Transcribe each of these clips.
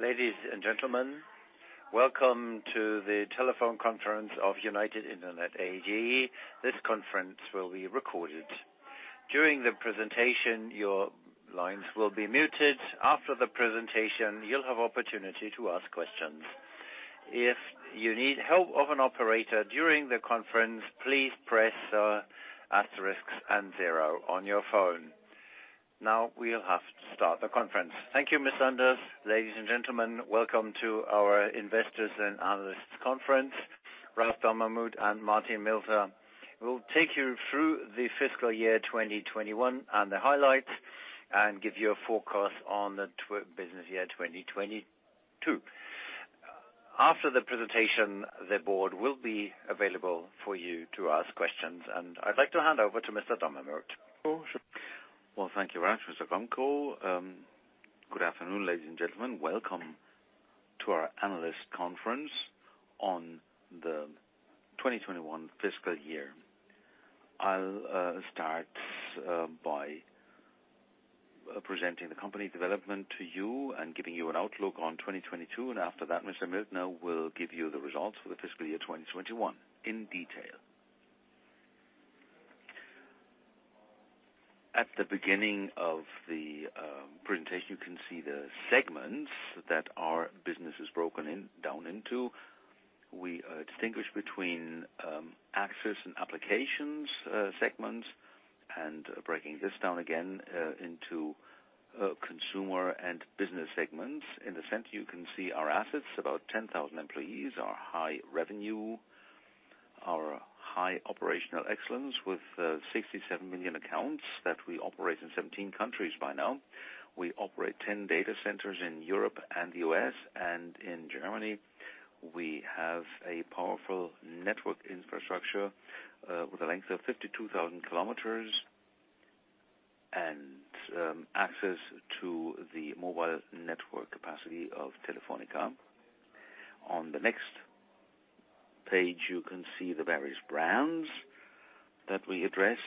Ladies and gentlemen, welcome to the Telephone Conference of United Internet AG. This conference will be recorded. During the presentation, your lines will be muted. After the presentation, you'll have opportunity to ask questions. If you need help of an operator during the conference, please press asterisks and zero on your phone. Now we'll have to start the conference. Thank you, Miss Sanders. Ladies and gentlemen, welcome to our investors and analysts conference. Ralph Dommermuth and Martin Mildner will take you through the fiscal year 2021 and the highlights and give you a forecast on the business year 2022. After the presentation, the board will be available for you to ask questions, and I'd like to hand over to Mr. Dommermuth. Oh, sure. Well, thank you, Mr. Gramkow. Good afternoon, ladies and gentlemen. Welcome to our analyst conference on the 2021 fiscal year. I'll start by presenting the company development to you and giving you an outlook on 2022. After that, Mr. Mildner will give you the results for the fiscal year 2021 in detail. At the beginning of the presentation, you can see the segments that our business is broken down into. We distinguish between access and applications segments, and breaking this down again into consumer and business segments. In the center, you can see our assets. About 10,000 employees, our high revenue, our high operational excellence with 67 million accounts that we operate in 17 countries by now. We operate 10 data centers in Europe and the U.S. and in Germany. We have a powerful network infrastructure with a length of 52,000 km and access to the mobile network capacity of Telefónica. On the next page, you can see the various brands that we address.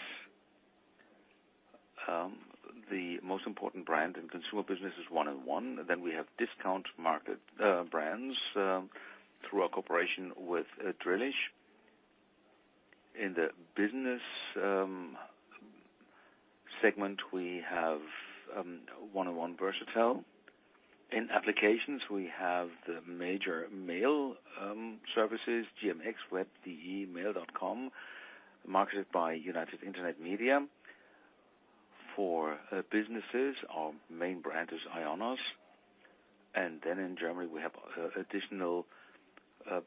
The most important brand in consumer business is 1&1. Then we have discount market brands through our cooperation with Drillisch. In the business segment, we have 1&1 Versatel. In applications, we have the major mail services, GMX, WEB.DE, mail.com, marketed by United Internet Media. For businesses, our main brand is IONOS. Then in Germany, we have additional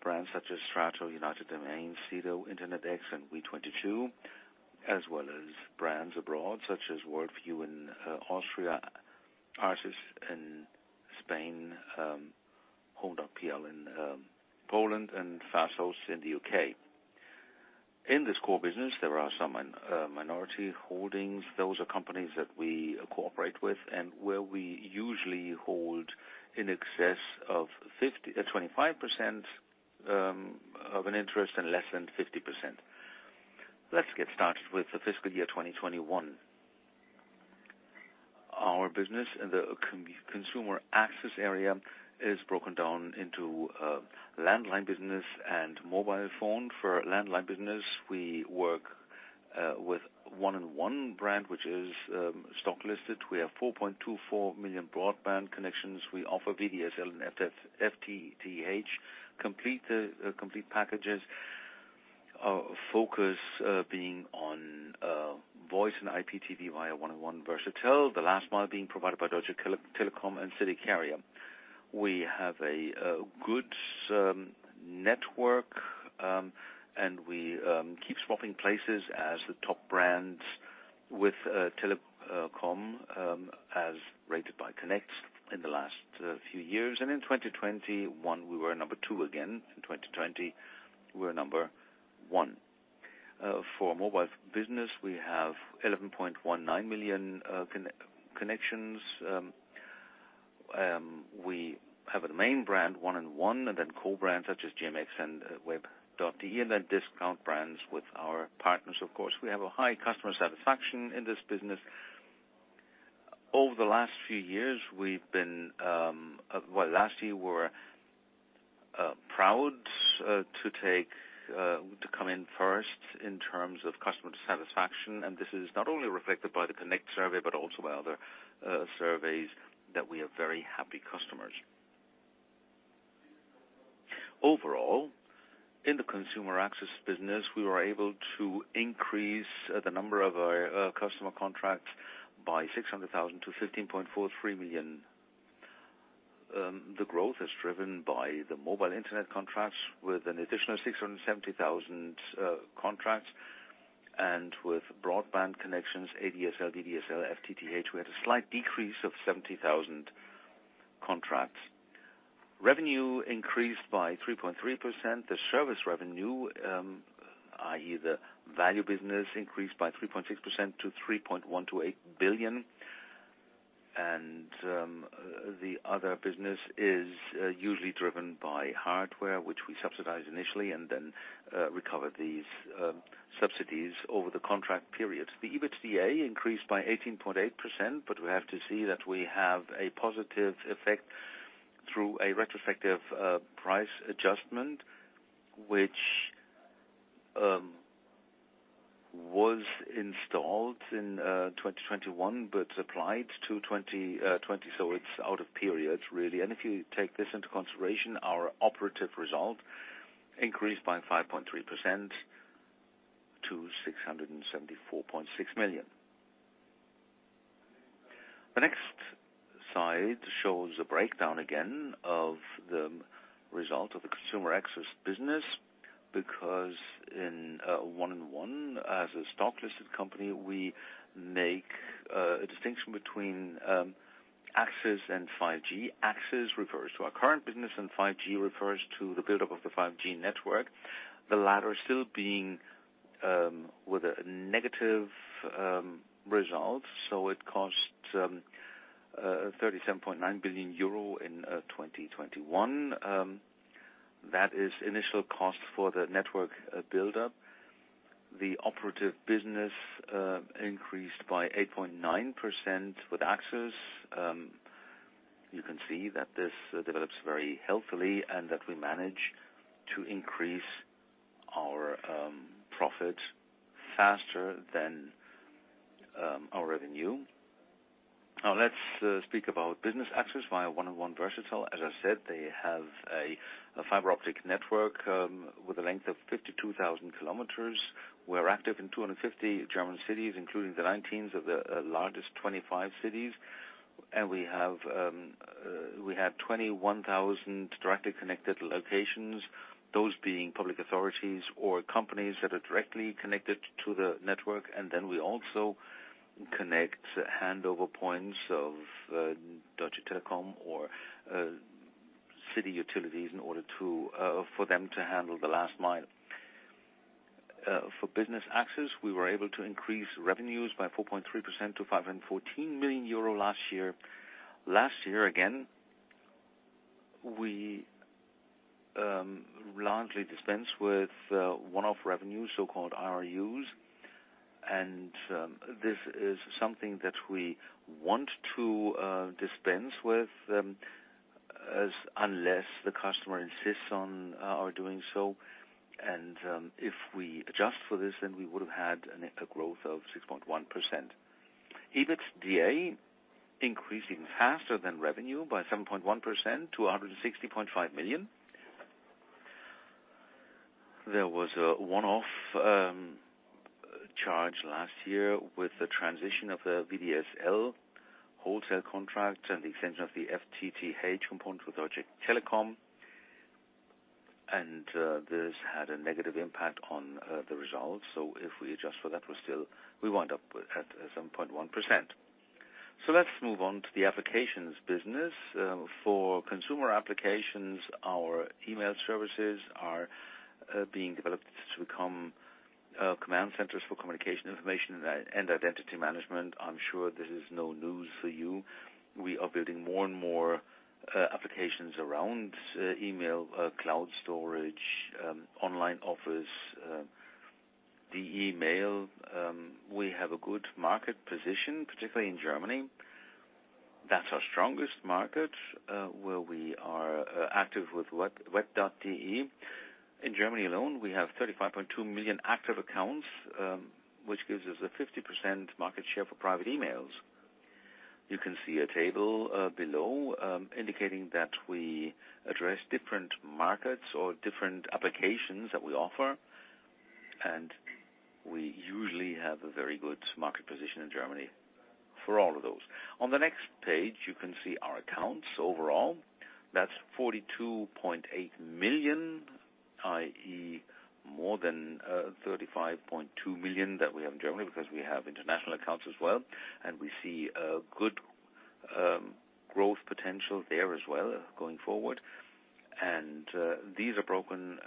brands such as STRATO, United Domains, Sedo, InterNetX, and we22, as well as brands abroad such as World4You in Austria, Arsys in Spain, home.pl in Poland, and Fasthosts in the U.K. In this core business, there are some minority holdings. Those are companies that we cooperate with and where we usually hold in excess of 25% of an interest and less than 50%. Let's get started with the fiscal year 2021. Our business in the consumer access area is broken down into landline business and mobile phone. For landline business, we work with 1&1 brand, which is stock listed. We have 4.24 million broadband connections. We offer VDSL and FTTH complete packages. Our focus being on voice and IPTV via 1&1 Versatel, the last mile being provided by Deutsche Telekom and city carrier. We have a good network and we keep swapping places as the top brands with Telekom as rated by Connect in the last few years. In 2021, we were number two again. In 2020, we were number one. For mobile business, we have 11.19 million connections. We have a main brand, 1&1, and then co-brands such as GMX and WEB.DE, and then discount brands with our partners, of course. We have a high customer satisfaction in this business. Over the last few years, we've been well, last year we were proud to come in first in terms of customer satisfaction. This is not only reflected by the Connect survey, but also by other surveys that we are very happy customers. Overall, in the consumer access business, we were able to increase the number of our customer contracts by 600,000-15.43 million. The growth is driven by the mobile internet contracts with an additional 670,000 contracts. With broadband connections, ADSL, VDSL, FTTH, we had a slight decrease of 70,000 contracts. Revenue increased by 3.3%. The service revenue, i.e. the value business, increased by 3.6% to 3.128 billion. The other business is usually driven by hardware, which we subsidize initially and then recover these subsidies over the contract period. The EBITDA increased by 18.8%, but we have to see that we have a positive effect through a retrospective price adjustment, which was installed in 2021 but applied to 2020. So it's out of period really. If you take this into consideration, our operative result increased by 5.3% to EUR 674.6 million. The next slide shows a breakdown again of the result of the consumer access business, because in 1&1 as a stock listed company, we make a distinction between access and 5G. Access refers to our current business, and 5G refers to the buildup of the 5G network. The latter still being with a negative result. It costs 37.9 million euro in 2021. That is initial cost for the network buildup. The operative business increased by 8.9% with access. You can see that this develops very healthily and that we manage to increase our profit faster than our revenue. Now let's speak about business access via 1&1 Versatel. As I said, they have a fiber optic network with a length of 52,000 km. We're active in 250 German cities, including 19 of the largest 25 cities. We have 21,000 directly connected locations, those being public authorities or companies that are directly connected to the network. Then we also connect handover points of Deutsche Telekom or city utilities in order for them to handle the last mile. For business access, we were able to increase revenues by 4.3% to 514 million euro last year. Last year, again, we largely dispense with one-off revenue, so-called RUs. This is something that we want to dispense with unless the customer insists on our doing so. If we adjust for this, then we would have had an EBITDA growth of 6.1%. EBITDA increasing faster than revenue by 7.1% to 160.5 million. There was a one-off charge last year with the transition of the VDSL wholesale contract and the extension of the FTTH component with Deutsche Telekom. This had a negative impact on the results. If we adjust for that, we wind up at 7.1%. Let's move on to the applications business. For consumer applications, our email services are being developed to become command centers for communication information and identity management. I'm sure this is no news for you. We are building more and more applications around email, cloud storage, online office, the email. We have a good market position, particularly in Germany. That's our strongest market, where we are active with WEB.DE. In Germany alone, we have 35.2 million active accounts, which gives us a 50% market share for private emails. You can see a table below indicating that we address different markets or different applications that we offer. We usually have a very good market position in Germany for all of those. On the next page, you can see our accounts overall. That's 42.8 million, i.e., more than 35.2 million that we have in Germany because we have international accounts as well, and we see a good growth potential there as well going forward. These are broken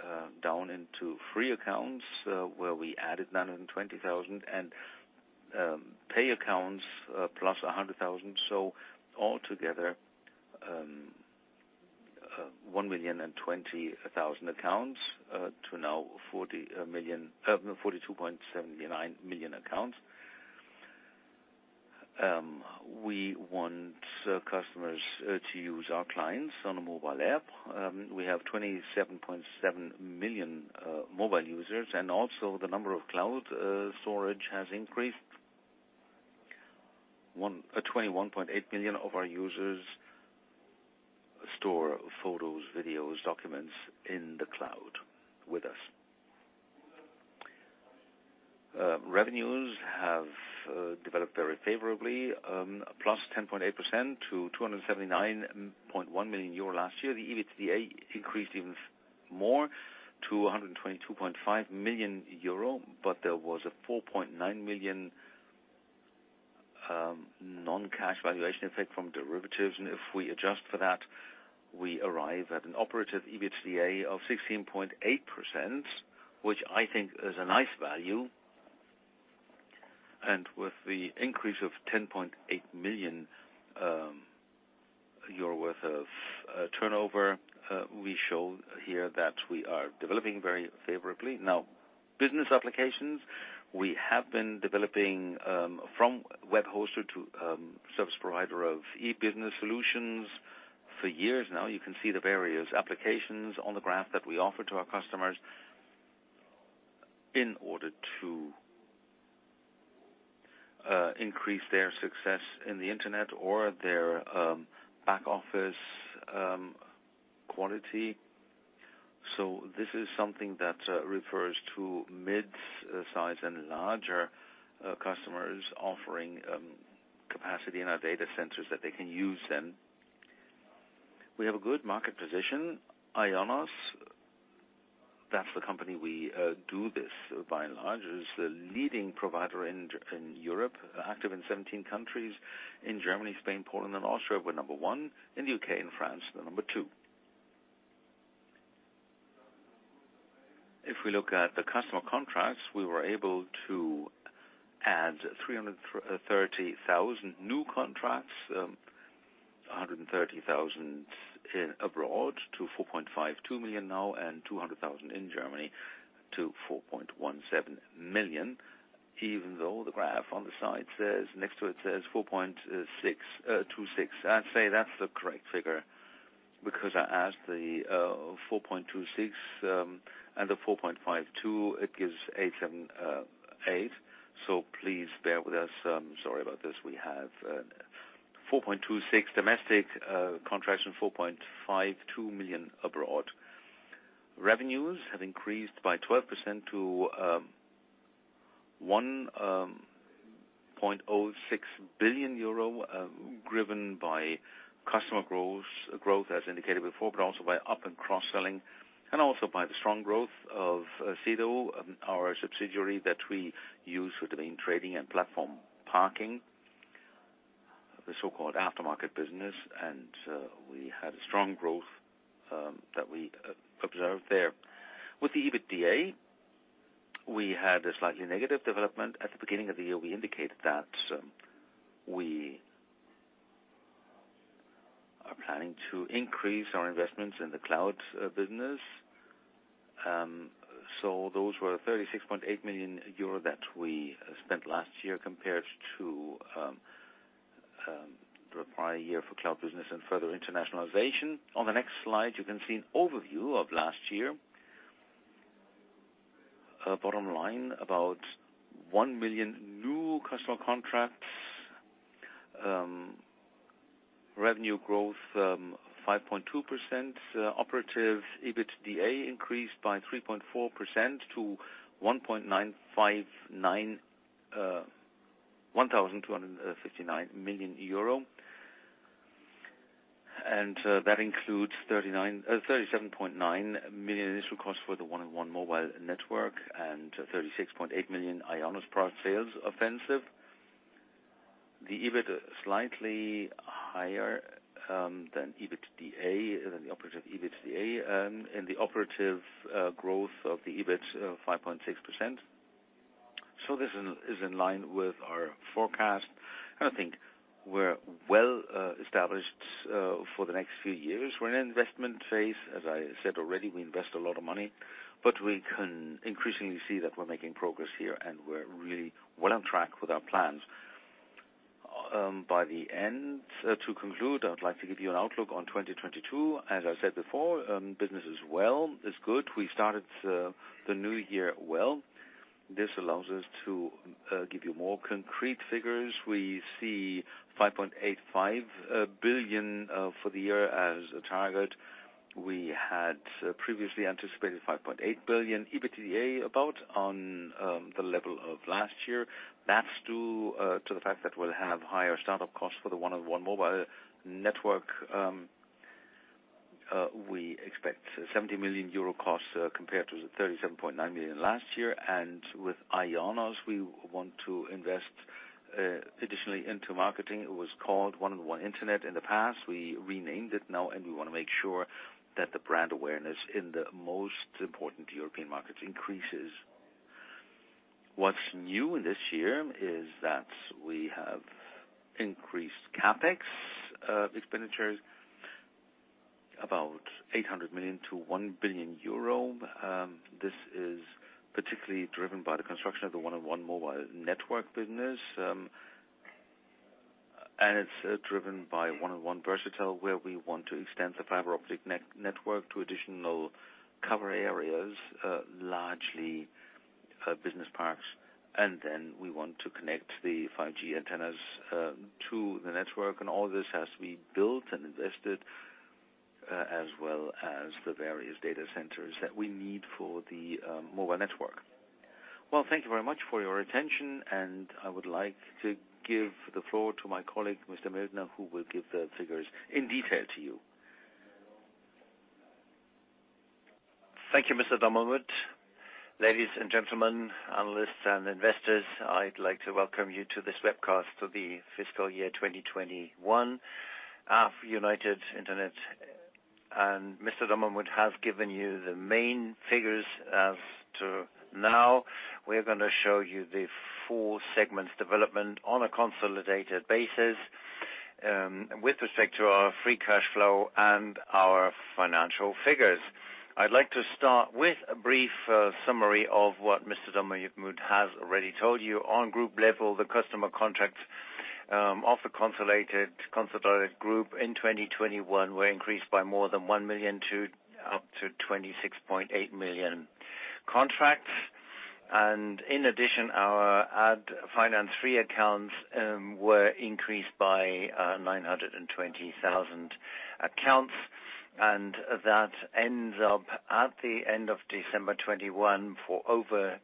down into three accounts, where we added 920,000 and pay accounts, plus 100,000. All together, 1.02 million accounts to now 42.79 million accounts. We want customers to use our clients on a mobile app. We have 27.7 million mobile users, and also the number of cloud storage has increased. 21.8 million of our users store photos, videos, documents in the cloud with us. Revenues have developed very favorably, +10.8% to 279.1 million euro last year. The EBITDA increased even more to 122.5 million euro, but there was a 4.9 million non-cash valuation effect from derivatives. If we adjust for that, we arrive at an operative EBITDA of 16.8%, which I think is a nice value. With the increase of 10.8 million euro worth of turnover, we show here that we are developing very favorably. Now, business applications. We have been developing from web hoster to service provider of e-business solutions for years now. You can see the various applications on the graph that we offer to our customers in order to increase their success in the internet or their back office quality. This is something that refers to mid-size and larger customers offering capacity in our data centers that they can use then. We have a good market position. IONOS, that's the company we do this. By and large, is the leading provider in Europe, active in 17 countries. In Germany, Spain, Poland, and Austria, we're number one. In the U.K., in France, we're number two. If we look at the customer contracts, we were able to add 330,000 new contracts, 130,000 abroad to 4.52 million now, and 200,000 in Germany to 4.17 million. Even though the graph on the side says next to it says 4.26. I'd say that's the correct figure because I add the 4.26 and the 4.52, it gives 8.8. So please bear with us. Sorry about this. We have 4.26 domestic contracts and 4.52 million abroad. Revenues have increased by 12% to 1.06 billion euro, driven by customer growth as indicated before, but also by up- and cross-selling, and also by the strong growth of Sedo, our subsidiary that we use for domain trading and domain parking. The so-called aftermarket business. We had a strong growth that we observed there. With the EBITDA, we had a slightly negative development. At the beginning of the year, we indicated that we are planning to increase our investments in the cloud business. Those were 36.8 million euro that we spent last year compared to the prior year for cloud business and further internationalization. On the next slide, you can see an overview of last year. Bottom line, about one million new customer contracts. Revenue growth 5.2%. Operative EBITDA increased by 3.4% to 1,259 million euro. That includes 37.9 million initial cost for the 1&1 mobile network and 36.8 million IONOS product sales offensive. The EBIT is slightly higher than EBITDA, than the operative EBITDA, and the operative growth of the EBIT, 5.6%. This is in line with our forecast. I think we're well established for the next few years. We're in an investment phase. As I said already, we invest a lot of money, but we can increasingly see that we're making progress here, and we're really well on track with our plans. By the end, to conclude, I would like to give you an outlook on 2022. As I said before, business is good. We started the new year well. This allows us to give you more concrete figures. We see 5.85 billion for the year as a target. We had previously anticipated 5.8 billion EBITDA about on the level of last year. That's due to the fact that we'll have higher start-up costs for the 1&1 mobile network. We expect 70 million euro costs compared to the 37.9 million last year. With IONOS, we want to invest additionally into marketing. It was called 1&1 Internet in the past. We renamed it now, and we wanna make sure that the brand awareness in the most important European markets increases. What's new this year is that we have increased CapEx expenditures about 800 million-1 billion euro. This is particularly driven by the construction of the 1&1 mobile network business. It's driven by 1&1 Versatel, where we want to extend the fiber optic network to additional coverage areas, largely business parks. We want to connect the 5G antennas to the network. All this has to be built and invested, as well as the various data centers that we need for the mobile network. Well, thank you very much for your attention. I would like to give the floor to my colleague, Mr. Mildner, who will give the figures in detail to you. Thank you, Mr. Dommermuth. Ladies and gentlemen, analysts and investors, I'd like to welcome you to this webcast for the fiscal year 2021 for United Internet. Mr. Dommermuth has given you the main figures as of now. We're gonna show you the four segments development on a consolidated basis. With respect to our free cash flow and our financial figures. I'd like to start with a brief summary of what Mr. Dommermuth has already told you. On group level, the customer contracts of the consolidated group in 2021 were increased by more than 1 million-26.8 million contracts. In addition, our ad-financed free accounts were increased by 920,000 accounts, and that ends up at the end of December 2021 to over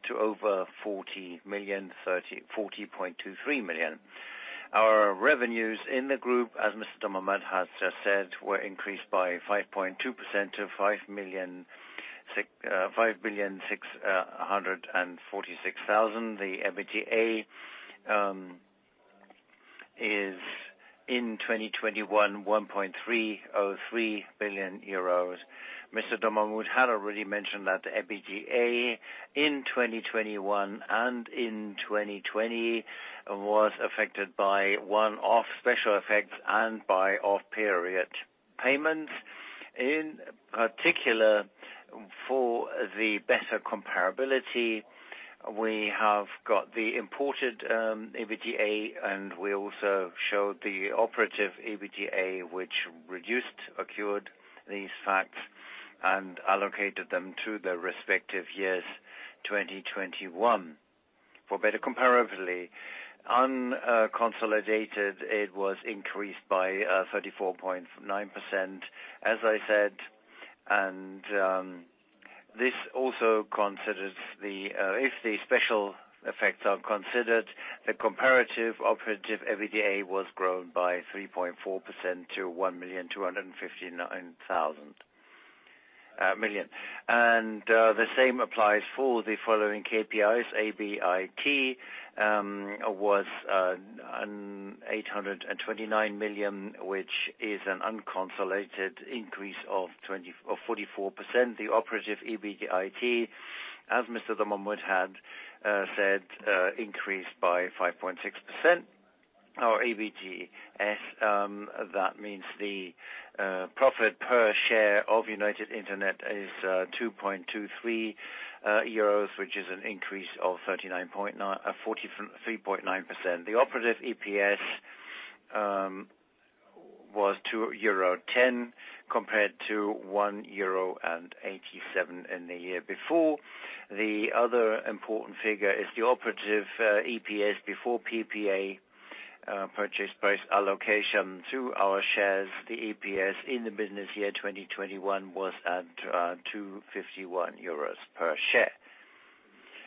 40.23 million. Our revenues in the group, as Mr. Dommermuth has just said, were increased by 5.2% to 5.646 billion. The EBITDA in 2021 is 1.303 billion euros. Mr. Dommermuth had already mentioned that the EBITDA in 2021 and in 2020 was affected by one-off special effects and by off-period payments. In particular, for the better comparability, we have got the adjusted EBITDA, and we also showed the operative EBITDA which excludes these effects and allocates them to the respective years, 2021. For better comparability, unconsolidated, it was increased by 34.9%, as I said. This also considers if the special effects are considered, the comparative operative EBITDA was grown by 3.4% to 125.9 million. The same applies for the following KPIs. EBIT was 829 million, which is an unconsolidated increase of 44%. The operative EBIT, as Mr. Ralph Dommermuth had said, increased by 5.6%. Our EPS, that means the profit per share of United Internet is 2.23 euros, which is an increase of 43.9%. The operative EPS was 2.10 euro compared to 1.87 euro in the year before. The other important figure is the operating EPS before PPA purchase price allocation to our shares. The EPS in the business year 2021 was at 2.51 euros per share.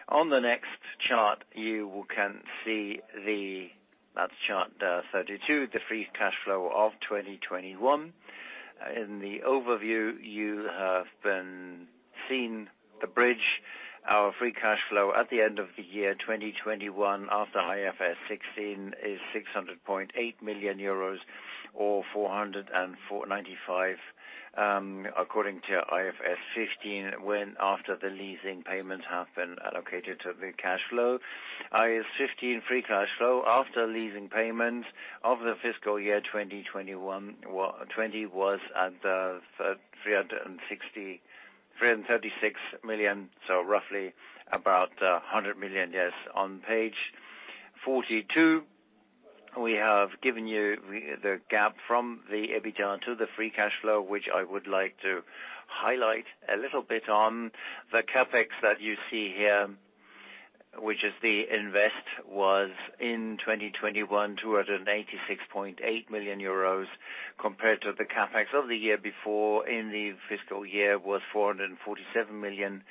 On the next chart, you can see that's chart 32, the free cash flow of 2021. In the overview, you have seen the bridge. Our free cash flow at the end of the year 2021 after IFRS 16 is 600.8 million euros or 495 according to IFRS 15 when after the leasing payments have been allocated to the cash flow. IFRS 15 free cash flow after leasing payments of the fiscal year 2021 was at 336 million, so roughly about a hundred million, yes. On page 42, we have given you the gap from the EBITDA to the free cash flow, which I would like to highlight a little bit on. The CapEx that you see here, which is the investment, was in 2021, 286.8 million euros compared to the CapEx of the year before in the fiscal year was 447 million.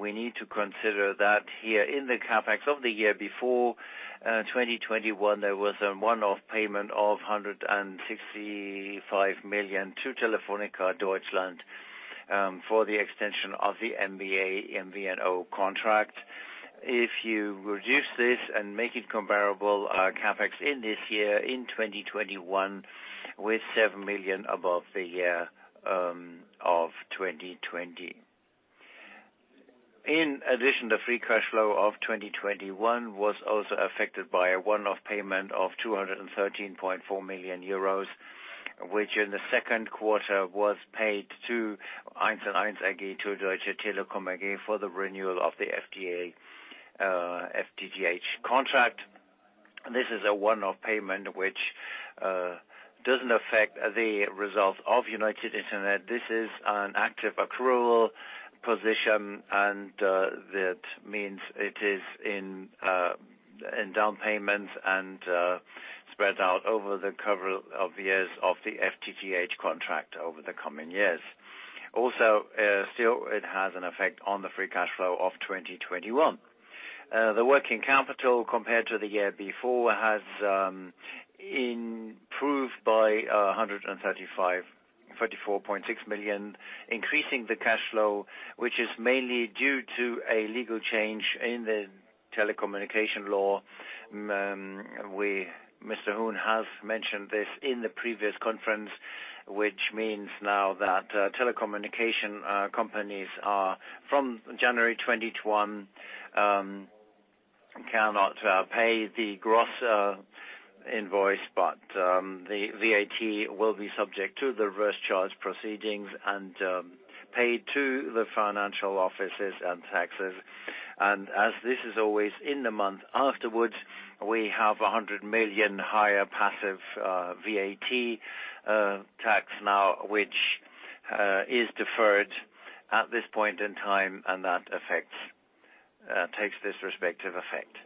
We need to consider that here in the CapEx of the year before, 2021, there was a one-off payment of 165 million to Telefónica Deutschland for the extension of the MBA MVNO contract. If you reduce this and make it comparable, CapEx in this year, in 2021 with 7 million above the year of 2020. In addition, the free cash flow of 2021 was also affected by a one-off payment of 213.4 million euros, which in the second quarter was paid to 1&1 AG to Deutsche Telekom AG for the renewal of the FTTH contract. This is a one-off payment which doesn't affect the results of United Internet. This is an active accrual position and that means it is in down payments and spread out over the course of years of the FTTH contract over the coming years. Still it has an effect on the free cash flow of 2021. The working capital compared to the year before has improved by 34.6 million, increasing the cash flow, which is mainly due to a legal change in the telecommunication law. Mr. Huhn has mentioned this in the previous conference, which means now that telecommunication companies are from January 2021 cannot pay the gross invoice, but the VAT will be subject to the reverse charge proceedings and paid to the financial offices and taxes. As this is always in the month afterwards, we have 100 million higher passive VAT tax now, which is deferred at this point in time, and that takes this respective effect.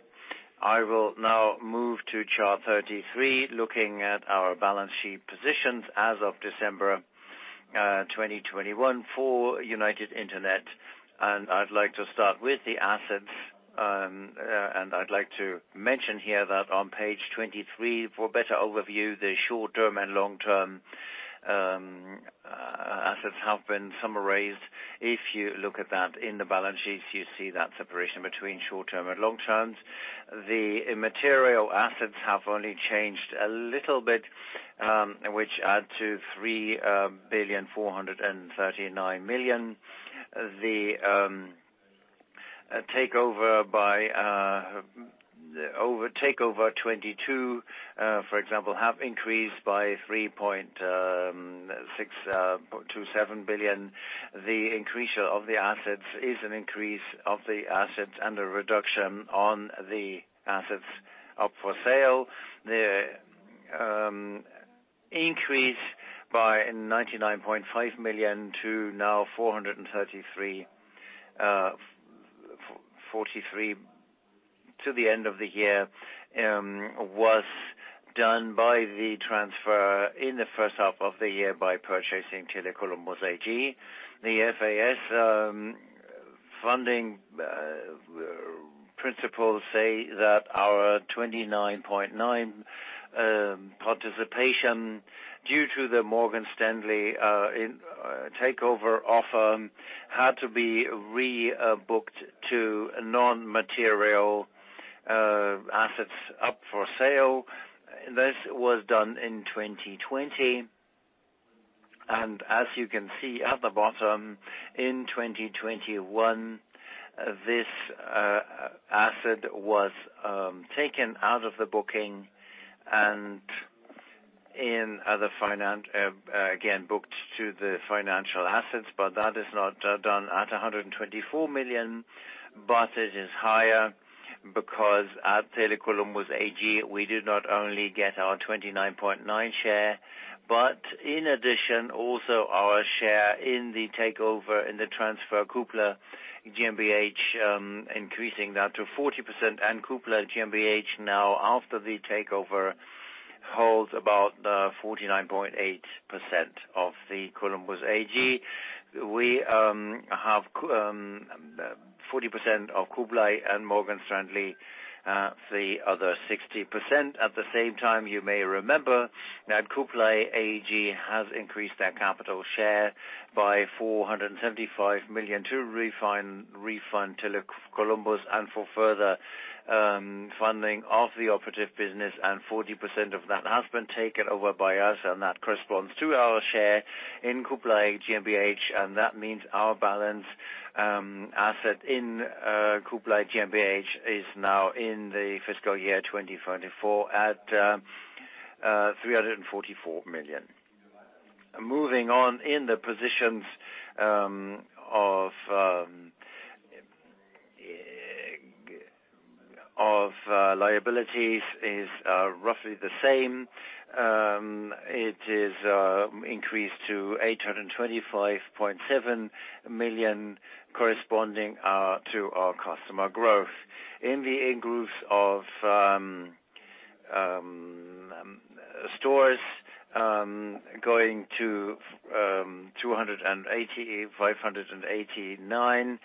I will now move to chart 33, looking at our balance sheet positions as of December 2021 for United Internet. I'd like to start with the assets. I'd like to mention here that on page 23, for better overview, the short-term and long-term assets have been summarized. If you look at that in the balance sheets, you see that separation between short-term and long-term. The intangible assets have only changed a little bit, which add to 3.439 billion. The takeover 2022, for example, have increased by 3.627 billion. The increase of the assets is an increase of the assets and a reduction on the assets up for sale. The increase by 99.5 million to now 433 million, 443 million to the end of the year was done by the transfer in the first half of the year by purchasing Tele Columbus AG. The IFRS accounting principles say that our 29.9 participation due to the Morgan Stanley in takeover offer had to be rebooked to non-material assets held for sale. This was done in 2020. As you can see at the bottom, in 2021, this asset was taken out of the booking and again booked to the financial assets. That is not done at 124 million, but it is higher because at Tele Columbus AG, we do not only get our 29.9% share, but in addition, also our share in the takeover, in the transfer, Kublai GmbH, increasing that to 40%. Kublai GmbH now after the takeover holds about 49.8% of the Tele Columbus AG. We have 40% of Kublai and Morgan Stanley the other 60%. At the same time, you may remember that Kublai AG has increased their capital share by 475 million to refund Tele Columbus, and for further funding of the operative business, and 40% of that has been taken over by us, and that corresponds to our share in Kublai GmbH. That means our balance sheet asset in Kublai GmbH is now in the fiscal year 2024 at 344 million. Moving on to the positions of liabilities is roughly the same. It is increased to 825.7 million corresponding to our customer growth. In the increase of stores going to 280, 589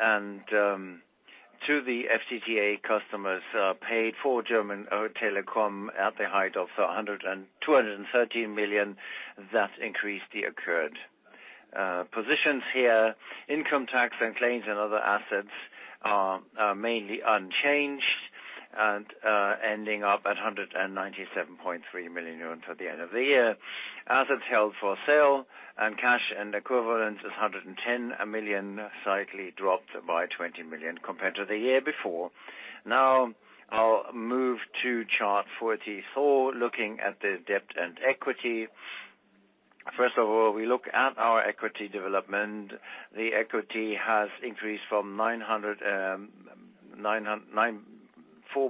and to the FTTH customers paid for Deutsche Telekom at the height of 102 million and 213 million. That increase occurred. Positions here, income tax and claims and other assets are mainly unchanged and ending up at 197.3 million euros at the end of the year. Assets held for sale and cash and equivalents is 110 million, slightly dropped by 20 million compared to the year before. Now I'll move to chart 44, looking at the debt and equity. First of all, we look at our equity development. The equity has increased from 4.911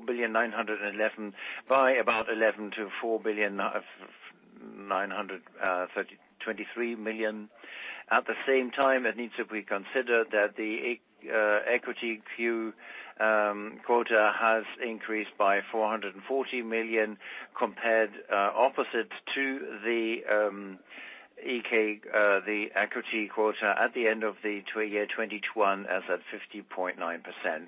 billion by about 11 million-4.923 billion. At the same time, it needs to be considered that the equity quota has increased by 440 million compared opposite to the EK, the equity quota at the end of the year 2021 as at 50.9%.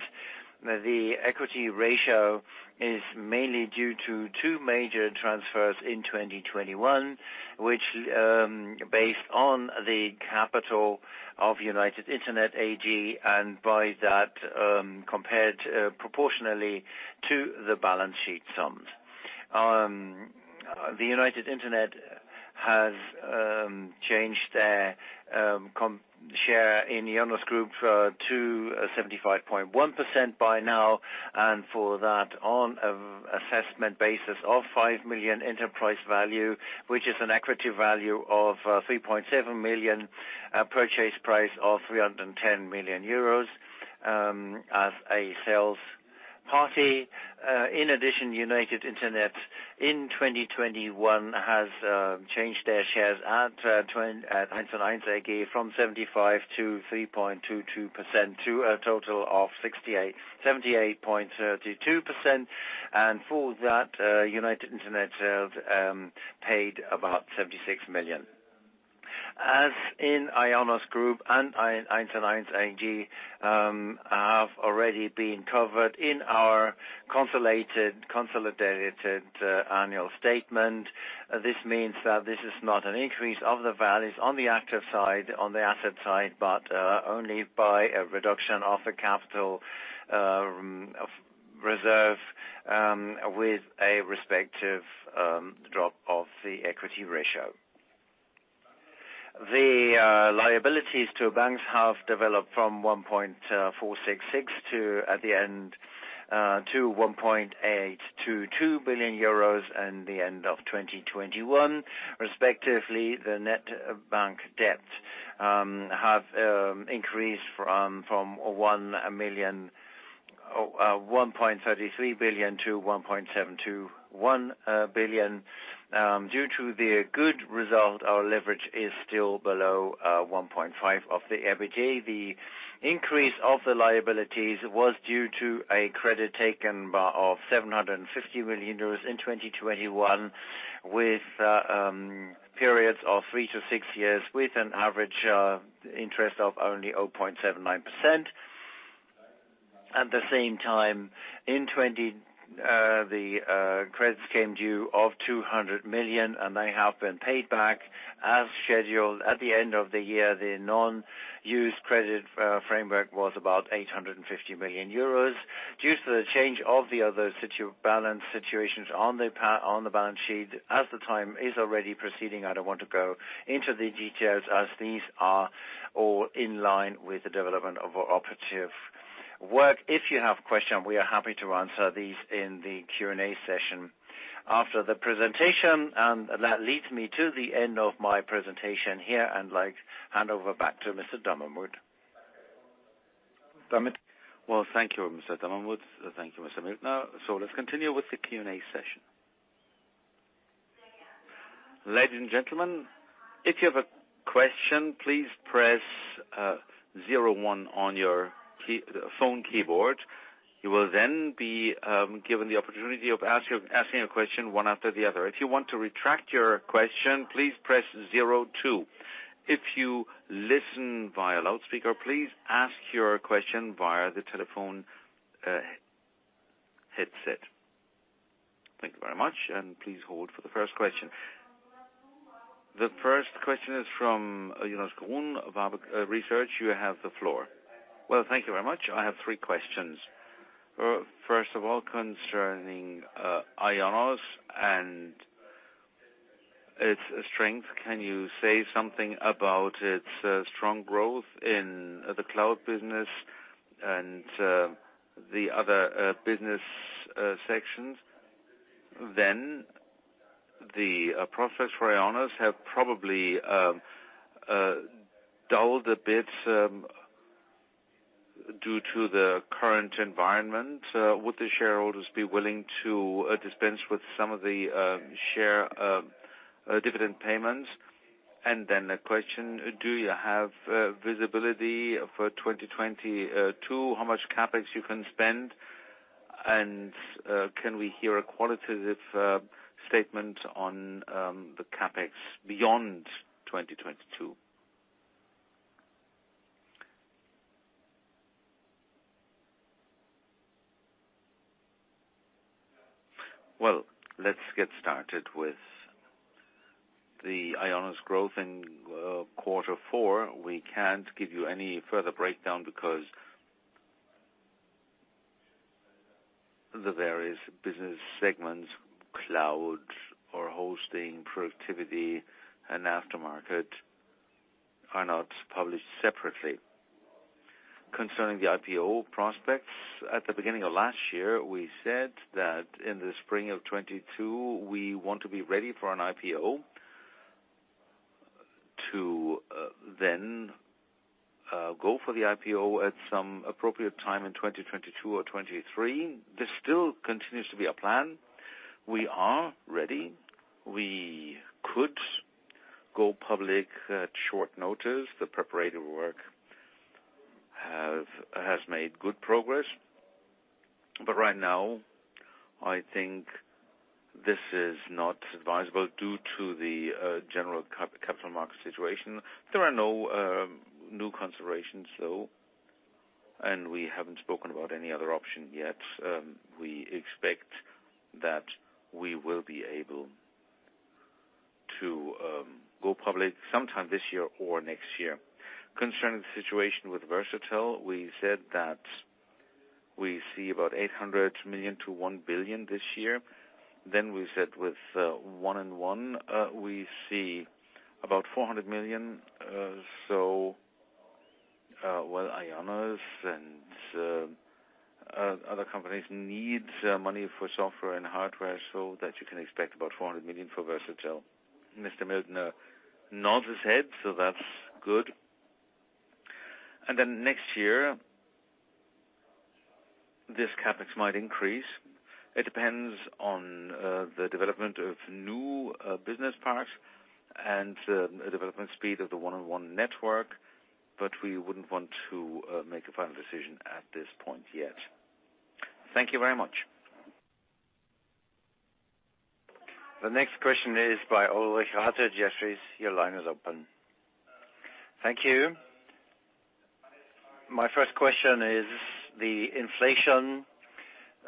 The equity ratio is mainly due to two major transfers in 2021, which, based on the capital of United Internet AG, and by that, compared proportionally to the balance sheet sums. The United Internet has changed their share in IONOS Group to 75.1% by now, and for that on assessment basis of 5 million enterprise value, which is an equity value of 3.7 million, a purchase price of 310 million euros, as a sales party. In addition, United Internet in 2021 has changed their shares at 1&1 from 75 to 3.22% to a total of 78.32%. For that, United Internet sales paid about 76 million. As in IONOS Group and 1&1 have already been covered in our consolidated annual statement. This means that this is not an increase of the values on the active side, on the asset side, but only by a reduction of the capital reserves, with a respective drop of the equity ratio. The liabilities to banks have developed from 1.466 billion-1.822 billion euros at the end of 2021. Respectively, the net bank debt have increased from 1.33 billion-1.721 billion. Due to the good result, our leverage is still below 1.5x EBITDA. The increase of the liabilities was due to a credit taken by of 750 million euros in 2021 with periods of three to six years with an average interest of only 0.79%. At the same time, in 2020 the credits came due of 200 million, and they have been paid back as scheduled. At the end of the year, the non-used credit framework was about 850 million euros. Due to the change of the other balance situations on the balance sheet, as the time is already proceeding, I don't want to go into the details as these are all in line with the development of our operative work. If you have questions, we are happy to answer these in the Q&A session after the presentation. That leads me to the end of my presentation here, and I'd like to hand over back to Mr. Dommermuth. Well, thank you, Mr. Dommermuth. Thank you, Mr. Mildner. Let's continue with the Q&A session. Ladies and gentlemen, if you have a question, please press zero one on your phone keyboard. You will then be given the opportunity of asking a question one after the other. If you want to retract your question, please press zero two. If you listen via loudspeaker, please ask your question via the telephone headset. Thank you very much, and please hold for the first question. The first question is from Jonas Blum, Warburg Research. You have the floor. Well, thank you very much. I have three questions. First of all, concerning IONOS and its strength, can you say something about its strong growth in the cloud business and the other business sections? The process for IONOS have probably dulled a bit due to the current environment. Would the shareholders be willing to dispense with some of the share dividend payments? A question, do you have visibility for 2022? How much CapEx you can spend? Can we hear a qualitative statement on the CapEx beyond 2022? Well, let's get started with the IONOS growth in quarter four. We can't give you any further breakdown because the various business segments, cloud or hosting, productivity, and aftermarket are not published separately. Concerning the IPO prospects, at the beginning of last year, we said that in the spring of 2022, we want to be ready for an IPO to then go for the IPO at some appropriate time in 2022 or 2023. This still continues to be our plan. We are ready. We could go public at short notice. The preparatory work has made good progress. Right now, I think this is not advisable due to the general capital market situation. There are no new considerations, though, and we haven't spoken about any other option yet. We expect that we will be able to go public sometime this year or next year. Concerning the situation with Versatel, we said that we see about 800 million-1 billion this year. We said with 1&1, we see about 400 million. Well, IONOS and other companies need money for software and hardware, so that you can expect about 400 million for Versatel. Mr. Mildner nods his head, so that's good. Then next year, this CapEx might increase. It depends on the development of new business parts and development speed of the 1&1 network. We wouldn't want to make a final decision at this point yet. Thank you very much. The next question is by Ulrich Rathe, Jefferies. Your line is open. Thank you. My first question is the inflation.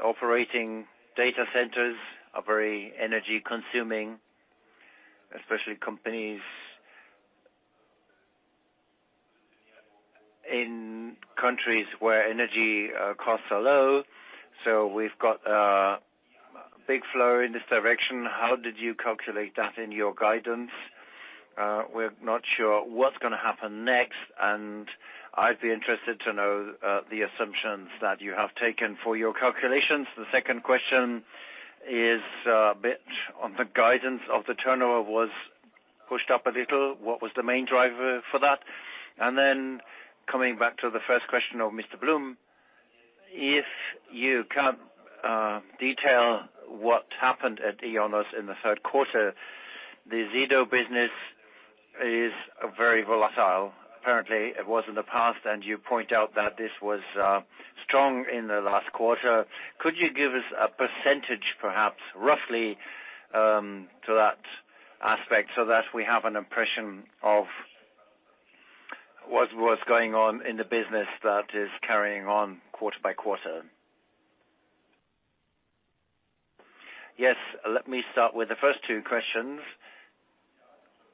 Operating data centers are very energy consuming, especially companies in countries where energy costs are low. So we've got a big flow in this direction. How did you calculate that in your guidance? We're not sure what's gonna happen next, and I'd be interested to know the assumptions that you have taken for your calculations. The second question is a bit on the guidance of the turnover was pushed up a little. What was the main driver for that? Coming back to the first question of Mr. Blum, if you can detail what happened at IONOS in the third quarter. The Sedo business is very volatile. Apparently, it was in the past, and you point out that this was strong in the last quarter. Could you give us a percentage, perhaps, roughly, to that aspect so that we have an impression of what's going on in the business that is carrying on quarter by quarter? Yes. Let me start with the first two questions.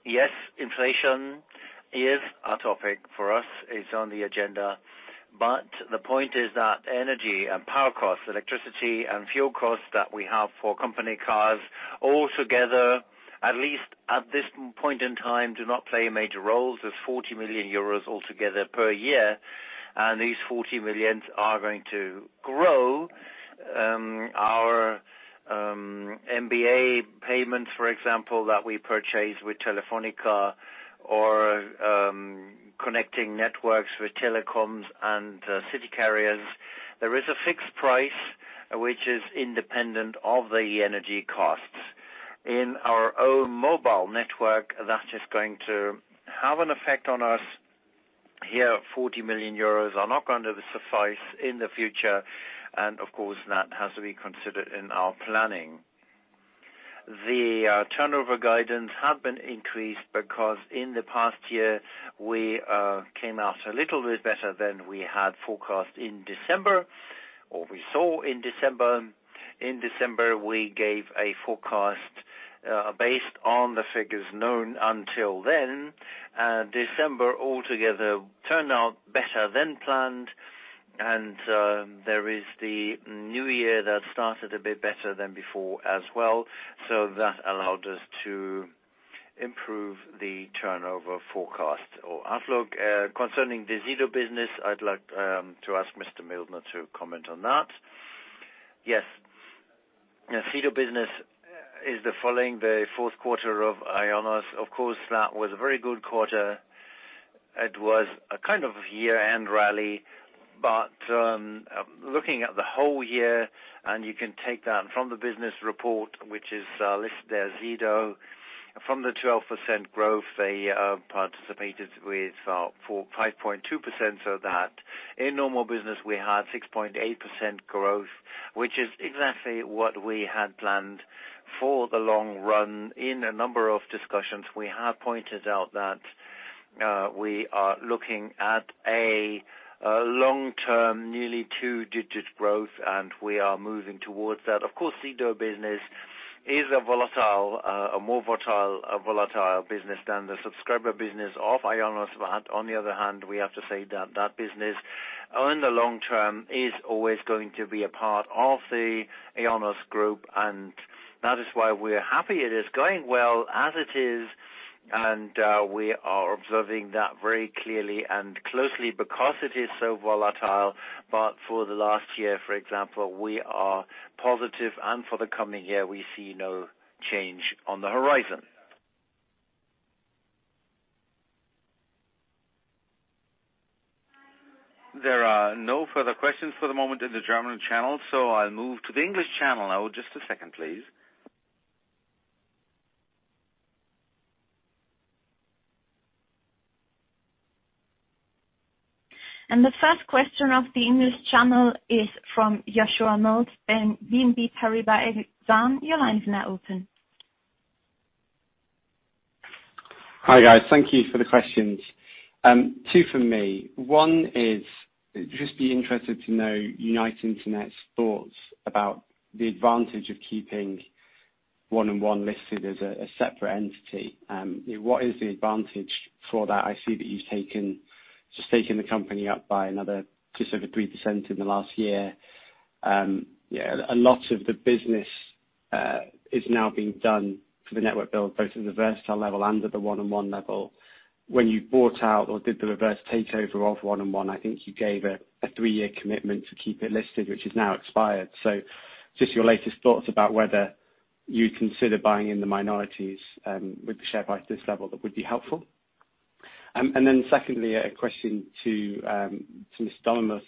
Yes, inflation is a topic for us. It's on the agenda. The point is that energy and power costs, electricity and fuel costs that we have for company cars all together, at least at this point in time, do not play major roles. There's 40 million euros altogether per year, and these 40 million are going to grow. Our MBA payments, for example, that we purchase with Telefónica or connecting networks with telecoms and city carriers. There is a fixed price which is independent of the energy costs. In our own mobile network, that is going to have an effect on us. Here, 40 million euros are not going to suffice in the future, and of course, that has to be considered in our planning. The turnover guidance had been increased because in the past year we came out a little bit better than we had forecast in December or we saw in December. In December, we gave a forecast based on the figures known until then. December altogether turned out better than planned, and there is the new year that started a bit better than before as well. That allowed us to improve the turnover forecast or outlook. Concerning the Sedo business, I'd like to ask Mr. Mildner to comment on that. Yes. Sedo business is the following the fourth quarter of IONOS. Of course, that was a very good quarter. It was a kind of year-end rally. Looking at the whole year, and you can take that from the business report, which is listed as Sedo. From the 12% growth, they participated with 5.2% so that in normal business we had 6.8% growth, which is exactly what we had planned for the long run. In a number of discussions, we have pointed out that we are looking at a long-term, nearly two-digit growth, and we are moving towards that. Of course, Sedo business is a more volatile business than the subscriber business of IONOS. On the other hand, we have to say that that business in the long term is always going to be a part of the IONOS group, and that is why we're happy it is going well as it is. We are observing that very clearly and closely because it is so volatile. For the last year, for example, we are positive, and for the coming year, we see no change on the horizon. There are no further questions for the moment in the German channel, so I'll move to the English channel now. Just a second, please. The first question of the English channel is from Joshua Mills, BNP Paribas Exane. Your line is now open. Hi, guys. Thank you for the questions. Two for me. One is I'd just be interested to know United Internet's thoughts about the advantage of keeping 1&1 listed as a separate entity. What is the advantage for that? I see that you've just taken the company up by another just over 3% in the last year. Yeah, a lot of the business is now being done for the network build, both at the Versatel level and the 1&1 level. When you bought out or did the reverse takeover of 1&1, I think you gave a three-year commitment to keep it listed, which is now expired. Just your latest thoughts about whether you'd consider buying in the minorities with the share price at this level, that would be helpful. Then secondly, a question to Mr. Dommermuth.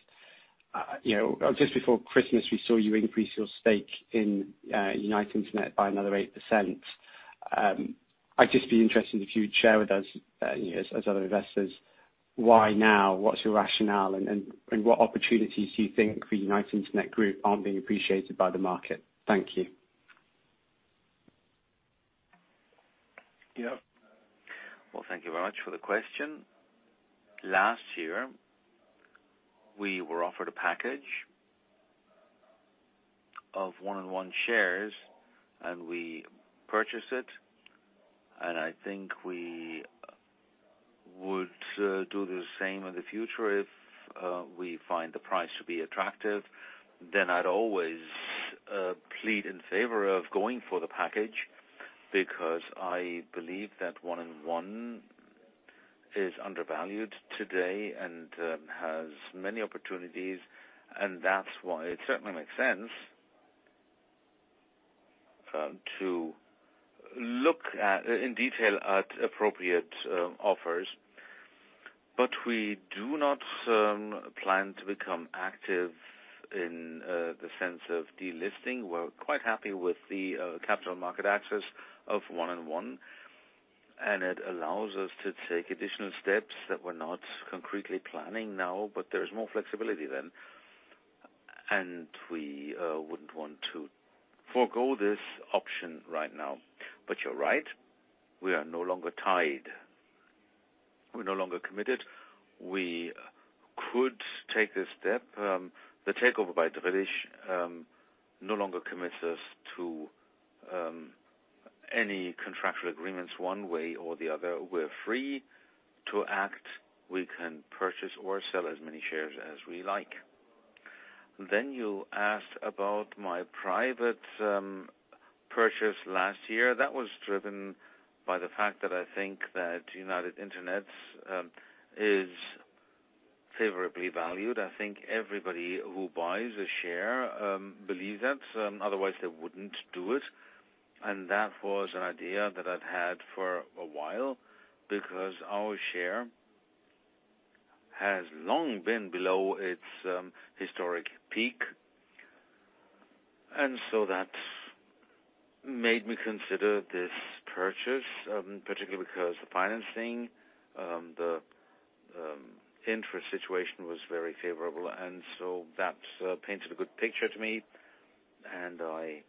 You know, just before Christmas, we saw you increase your stake in United Internet by another 8%. I'd just be interested if you'd share with us, as other investors, why now? What's your rationale? What opportunities do you think for United Internet Group aren't being appreciated by the market? Thank you. Yeah. Well, thank you very much for the question. Last year, we were offered a package of 1&1 shares, and we purchased it. I think we would do the same in the future. If we find the price to be attractive, then I'd always plead in favor of going for the package because I believe that 1&1 is undervalued today and has many opportunities. That's why it certainly makes sense to look at in detail appropriate offers. We do not plan to become active in the sense of delisting. We're quite happy with the capital market access of 1&1, and it allows us to take additional steps that we're not concretely planning now, but there's more flexibility then. We wouldn't want to forego this option right now. You're right, we are no longer tied. We're no longer committed. We could take this step. The takeover by Drillisch no longer commits us to any contractual agreements one way or the other. We're free to act. We can purchase or sell as many shares as we like. You asked about my private purchase last year. That was driven by the fact that I think that United Internet is favorably valued. I think everybody who buys a share believes that, otherwise they wouldn't do it. That was an idea that I've had for a while because our share has long been below its historic peak. That made me consider this purchase, particularly because the financing, the interest situation was very favorable. That painted a good picture to me, and I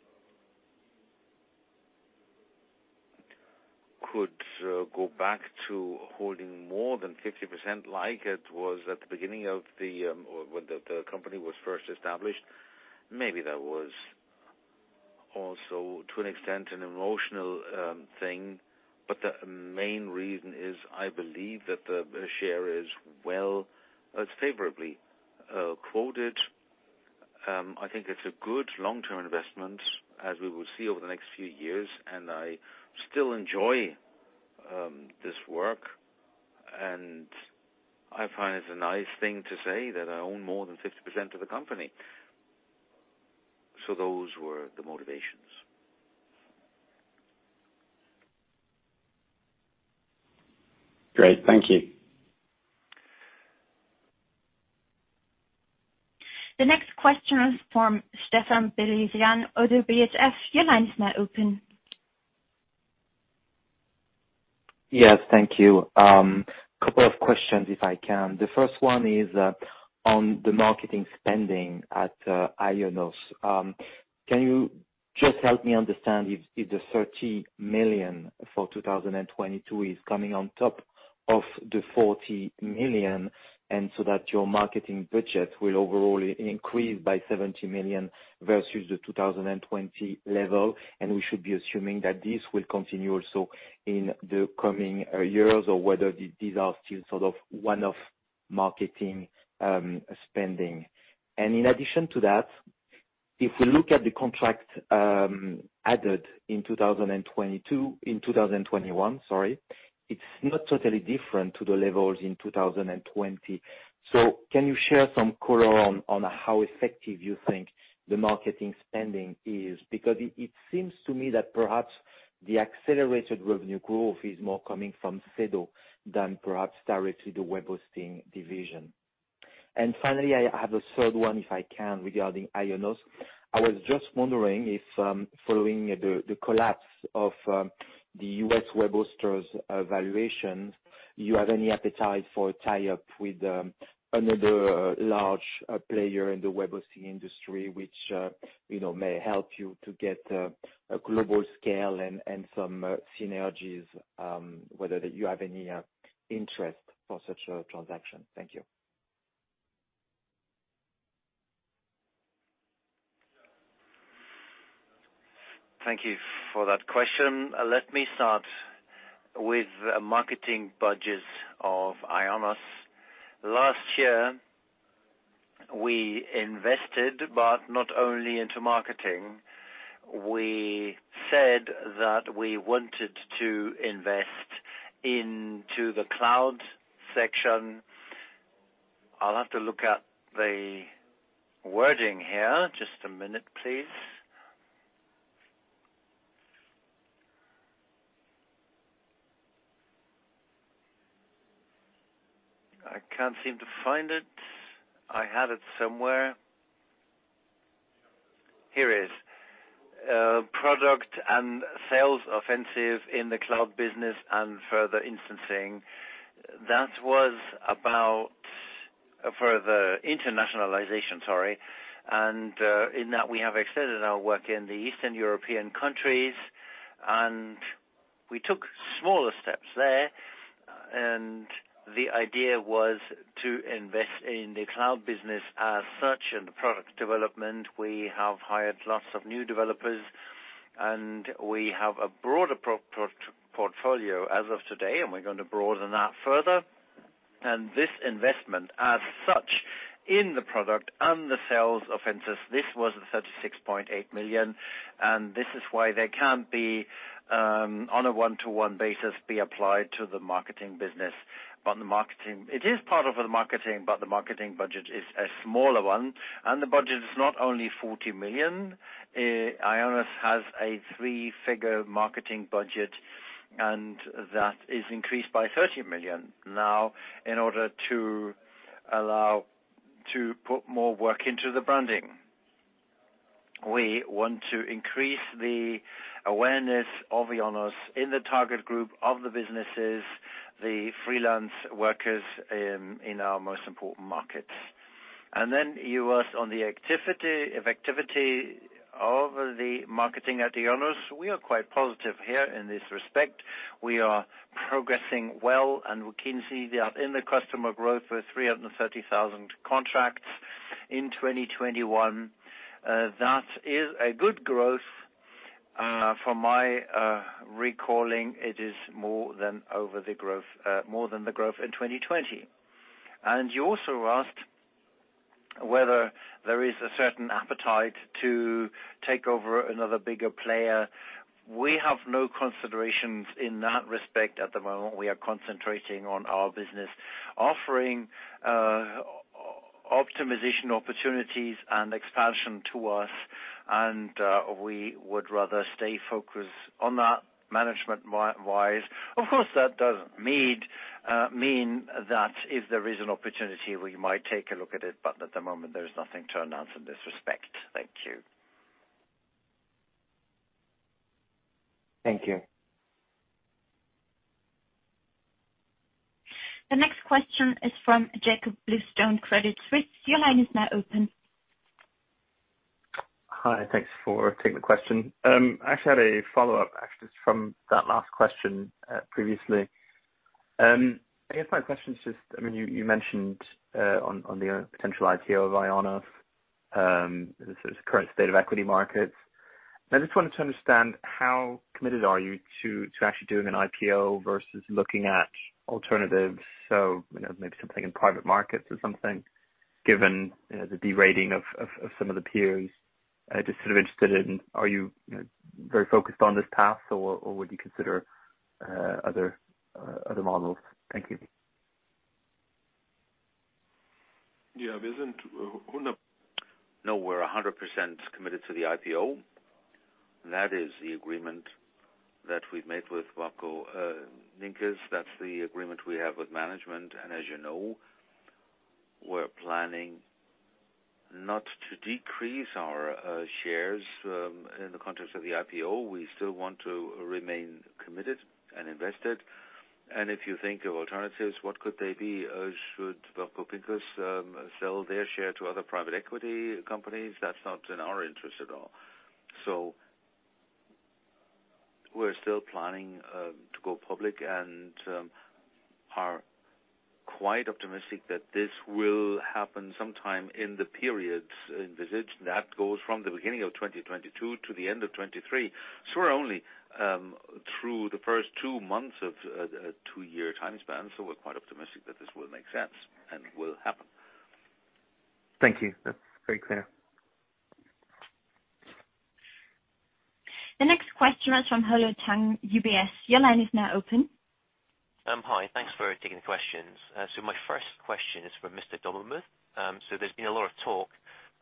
could go back to holding more than 50% like it was at the beginning of the, or when the company was first established. Maybe that was also, to an extent, an emotional thing, but the main reason is I believe that the share is well, it's favorably quoted. I think it's a good long-term investment, as we will see over the next few years, and I still enjoy this work. I find it's a nice thing to say that I own more than 50% of the company. Those were the motivations. Great. Thank you. The next question is from Stéphane Beyazian, ODDO BHF. Your line is now open. Yes, thank you. Couple of questions if I can. The first one is on the marketing spending at IONOS. Can you just help me understand if the 30 million for 2022 is coming on top of the 40 million, and so that your marketing budget will overall increase by 70 million versus the 2020 level, and we should be assuming that this will continue also in the coming years, or whether these are still sort of one-off marketing spending? In addition to that, if we look at the contract added in 2022, in 2021, sorry, it's not totally different to the levels in 2020. Can you share some color on how effective you think the marketing spending is? Because it seems to me that perhaps the accelerated revenue growth is more coming from Sedo than perhaps directly the web hosting division. Finally, I have a third one, if I can, regarding IONOS. I was just wondering if, following the collapse of the U.S. web hosters valuation, you have any appetite for a tie-up with another large player in the web hosting industry, which may help you to get a global scale and some synergies, whether you have any interest for such a transaction. Thank you. Thank you for that question. Let me start with marketing budgets of IONOS. Last year we invested, but not only into marketing. We said that we wanted to invest into the cloud section. I'll have to look at the wording here. Just a minute, please. I can't seem to find it. I had it somewhere. Here it is. Product and sales offensive in the cloud business and further investments. That was about for the internationalization, sorry. In that we have extended our work in the Eastern European countries, and we took smaller steps there. The idea was to invest in the cloud business as such. In the product development, we have hired lots of new developers, and we have a broader portfolio as of today, and we're going to broaden that further. This investment as such in the product and the sales offices, this was the 36.8 million, and this is why they can't be on a one-to-one basis be applied to the marketing business. The marketing—it is part of the marketing, but the marketing budget is a smaller one, and the budget is not only 40 million. IONOS has a three-figure marketing budget, and that is increased by 30 million now in order to allow to put more work into the branding. We want to increase the awareness of IONOS in the target group of the businesses, the freelance workers in our most important markets. You asked on the activity of the marketing at IONOS. We are quite positive here in this respect. We are progressing well, and we can see that in the customer growth with 330,000 contracts in 2021. That is a good growth. From my recalling, it is more than the growth in 2020. You also asked whether there is a certain appetite to take over another bigger player. We have no considerations in that respect at the moment. We are concentrating on our business, offering optimization opportunities and expansion to us, and we would rather stay focused on that management-wise. Of course, that doesn't mean that if there is an opportunity, we might take a look at it, but at the moment there's nothing to announce in this respect. Thank you. Thank you. The next question is from Jakob Bluestone, Credit Suisse. Your line is now open. Hi. Thanks for taking the question. I actually had a follow-up from that last question, previously. I guess my question is just, I mean, you mentioned on the potential IPO of IONOS, the current state of equity markets. I just wanted to understand how committed are you to actually doing an IPO versus looking at alternatives, so, you know, maybe something in private markets or something, given, you know, the de-rating of some of the peers. I'm just sort of interested in are you know, very focused on this path or would you consider other models? Thank you. No, we're 100% committed to the IPO. That is the agreement that we've made with Warburg Pincus. That's the agreement we have with management. As you know, we're planning not to decrease our shares in the context of the IPO. We still want to remain committed and invested. If you think of alternatives, what could they be? Should Warburg Pincus sell their share to other private equity companies? That's not in our interest at all. We're still planning to go public and are quite optimistic that this will happen sometime in the periods envisaged that goes from the beginning of 2022 to the end of 2023. We're only through the first two months of the two-year time span, so we're quite optimistic that this will make sense and will happen. Thank you. That's very clear. The next question is from Polo Tang, UBS. Your line is now open. Hi. Thanks for taking the questions. My first question is for Mr. Dommermuth. There's been a lot of talk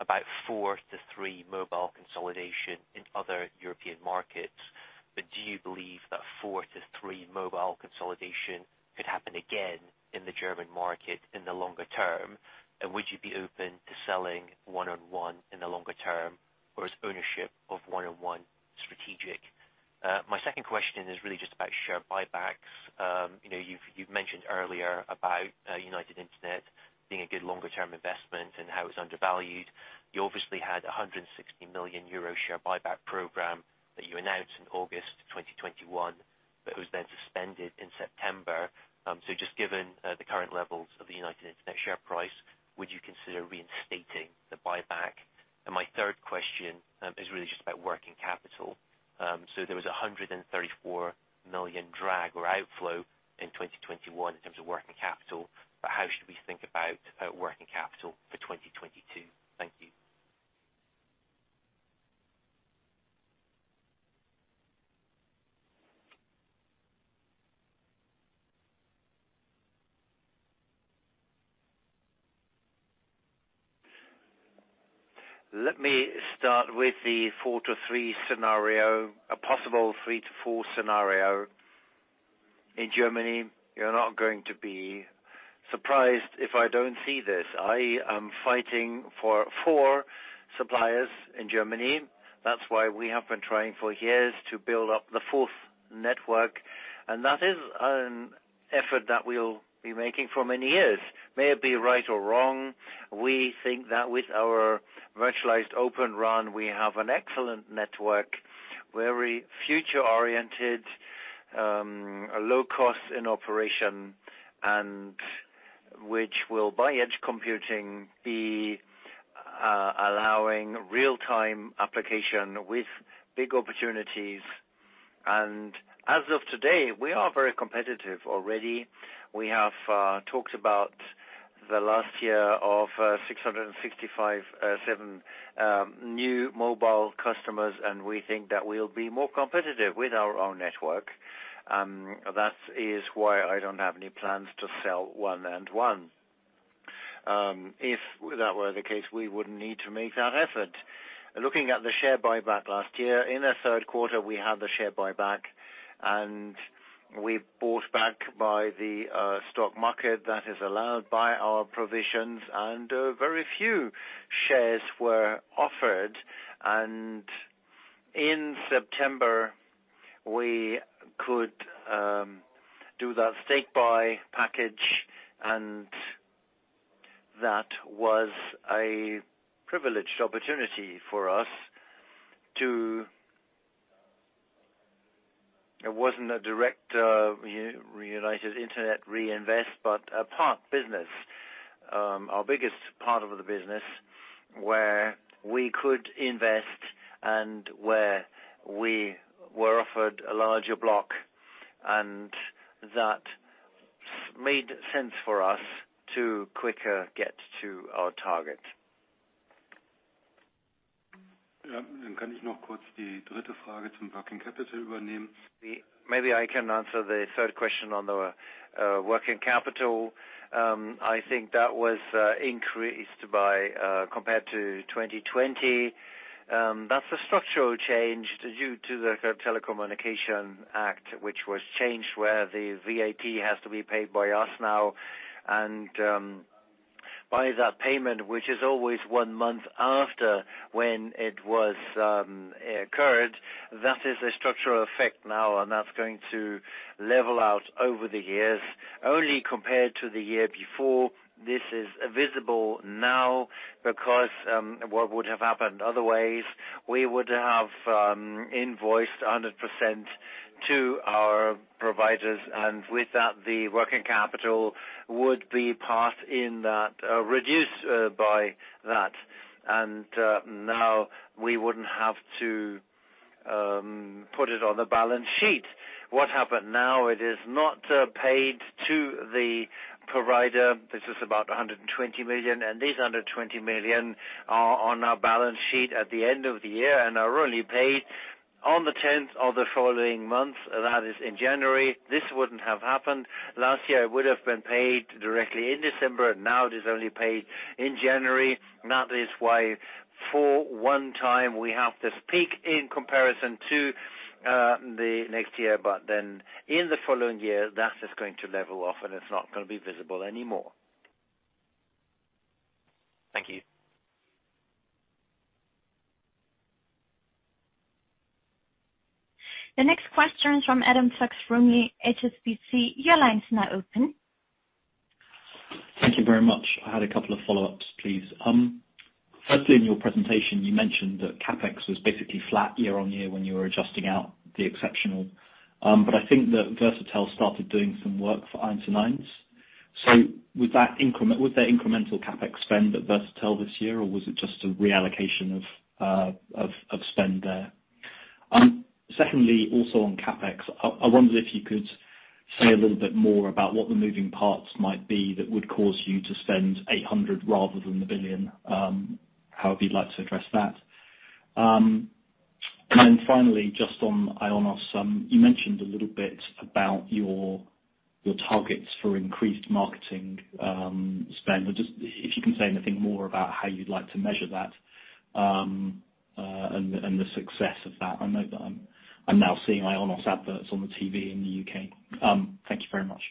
about 4-to-3 mobile consolidation in other European markets. Do you believe that 4-to-3 mobile consolidation could happen again in the German market in the longer term? And would you be open to selling 1&1 in the longer term, or is ownership of 1&1 strategic? My second question is really just about share buybacks. You know, you've mentioned earlier about United Internet being a good longer term investment and how it's undervalued. You obviously had a 160 million euro share buyback program that you announced in August 2021. It was then suspended in September. Just given the current levels of the United Internet share price, would you consider reinstating the buyback? My third question is really just about working capital. There was a 134 million drag or outflow in 2021 in terms of working capital, but how should we think about working capital for 2022? Thank you. Let me start with the 4-to-3 scenario, a possible 3-to-4 scenario. In Germany, you're not going to be surprised if I don't see this. I am fighting for four suppliers in Germany. That's why we have been trying for years to build up the fourth network. That is an effort that we'll be making for many years. May it be right or wrong, we think that with our virtualized OpenRAN, we have an excellent network, very future-oriented, a low cost in operation and which will by edge computing be allowing real-time application with big opportunities. As of today, we are very competitive already. We have talked about the last year, 665,000 new mobile customers, and we think that we'll be more competitive with our own network. That is why I don't have any plans to sell 1&1. If that were the case, we wouldn't need to make that effort. Looking at the share buyback last year, in the third quarter we had the share buyback, and we bought back by the stock market that is allowed by our provisions, and very few shares were offered. In September, we could do that share buyback package, and that was a privileged opportunity for us. It wasn't a direct United Internet reinvestment, but a portfolio business. Our biggest part of the business where we could invest and where we were offered a larger block, and that made sense for us to quicker get to our target. Maybe I can answer the third question on the working capital. I think that was increased compared to 2020. That's a structural change due to the Telecommunication Act, which was changed where the VAT has to be paid by us now. By that payment, which is always one month after when it occurred. That is a structural effect now, and that's going to level out over the years. Only compared to the year before, this is visible now because what would have happened otherwise, we would have invoiced 100% to our providers. With that, the working capital would be reduced by that. Now we wouldn't have to put it on the balance sheet. What happened now, it is not paid to the provider. This is about 120 million, and these 120 million are on our balance sheet at the end of the year and are only paid on the tenth of the following month. That is in January. This wouldn't have happened. Last year, it would have been paid directly in December. Now it is only paid in January. That is why for one time we have this peak in comparison to the next year. In the following year, that is going to level off, and it's not gonna be visible anymore. Thank you. The next question is from Adam Fox-Rumley, HSBC. Your line is now open. Thank you very much. I had a couple of follow-ups, please. First, in your presentation, you mentioned that CapEx was basically flat year-on-year when you were adjusting out the exceptional. But I think that Versatel started doing some work for 1&1. Was that incremental CapEx spend at Versatel this year, or was it just a reallocation of spend there? Second, also on CapEx, I wonder if you could say a little bit more about what the moving parts might be that would cause you to spend 800 million rather than 1 billion, however you'd like to address that. Finally, just on IONOS, you mentioned a little bit about your targets for increased marketing spend. Just if you can say anything more about how you'd like to measure that, and the success of that. I know that I'm now seeing IONOS adverts on the TV in the U.K. Thank you very much.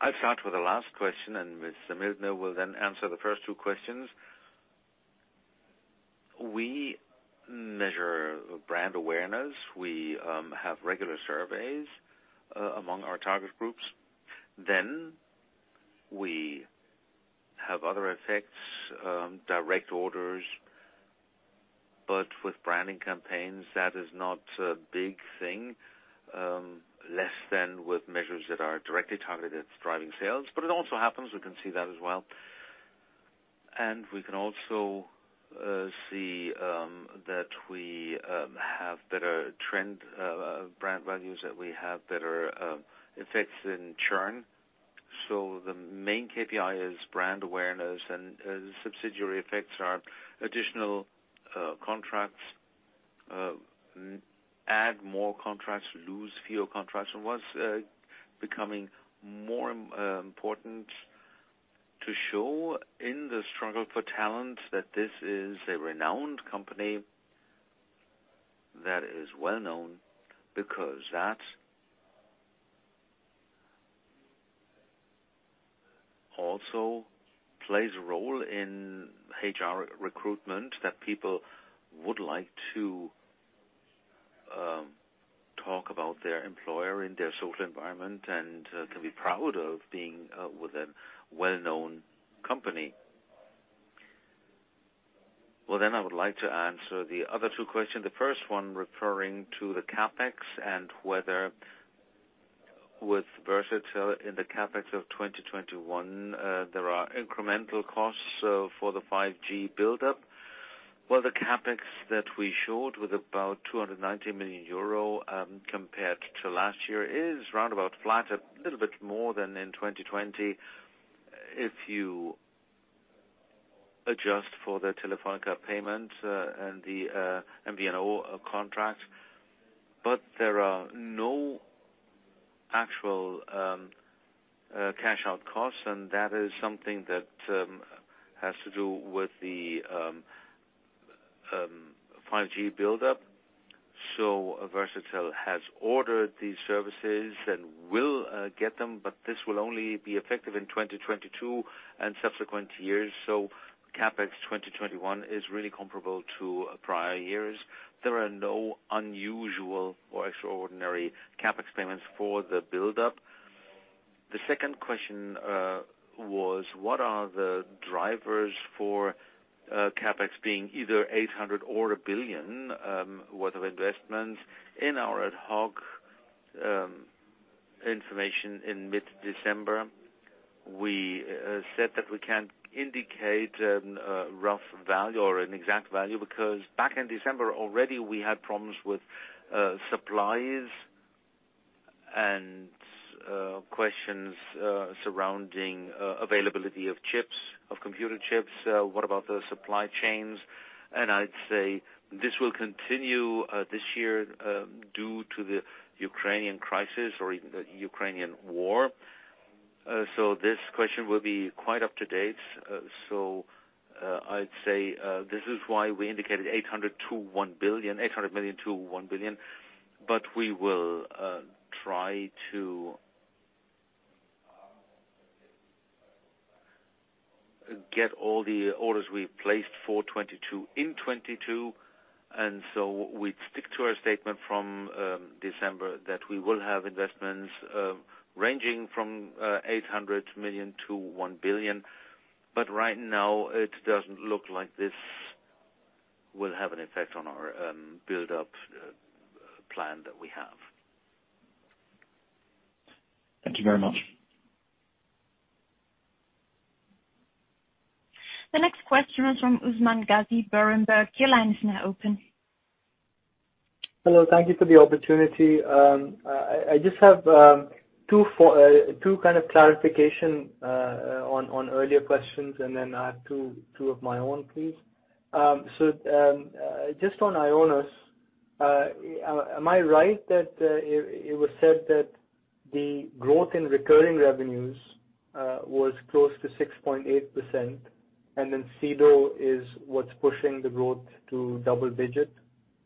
I'll start with the last question, and Mr. Mildner will then answer the first two questions. We measure brand awareness. We have regular surveys among our target groups. We have other effects, direct orders. With branding campaigns, that is not a big thing, less than with measures that are directly targeted at driving sales. It also happens, we can see that as well. We can also see that we have better trend brand values, that we have better effects in churn. The main KPI is brand awareness and subsidiary effects are additional contracts, add more contracts, lose fewer contracts. What's becoming more important to show in the struggle for talent that this is a renowned company that is well-known because that also plays a role in HR recruitment, that people would like to talk about their employer in their social environment and can be proud of being with a well-known company. Well, I would like to answer the other two questions. The first one referring to the CapEx and whether with Versatel in the CapEx of 2021 there are incremental costs for the 5G buildup. Well, the CapEx that we showed with about 290 million euro compared to last year is roundabout flat, a little bit more than in 2020. If you adjust for the Telefónica payment and the MVNO contract. There are no actual cash out costs, and that is something that has to do with the 5G buildup. Versatel has ordered these services and will get them, but this will only be effective in 2022 and subsequent years. CapEx 2021 is really comparable to prior years. There are no unusual or extraordinary CapEx payments for the buildup. The second question was what are the drivers for CapEx being either 800 million or 1 billion worth of investment? In our ad hoc information in mid-December, we said that we can't indicate a rough value or an exact value because back in December already we had problems with supplies and questions surrounding availability of chips, of computer chips. What about the supply chains? I'd say this will continue this year due to the Ukrainian crisis or even the Ukrainian war. This question will be quite up to date. I'd say this is why we indicated 800 million-1 billion. But we will try to get all the orders we've placed for 2022 in 2022, and we stick to our statement from December that we will have investments ranging from 800 million-1 billion. But right now it doesn't look like this will have an effect on our buildup plan that we have. Thank you very much. The next question is from Usman Ghazi, Berenberg. Your line is now open. Hello. Thank you for the opportunity. I just have two kind of clarification on earlier questions and then I have two of my own, please. Just on IONOS, am I right that it was said that the growth in recurring revenues was close to 6.8%, and then Sedo is what's pushing the growth to double-digit?